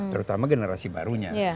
terutama generasi barunya